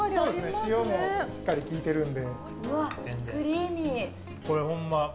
塩もしっかり効いてるので。